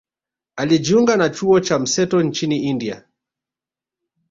Alijiunga na chuo cha mseto nchini India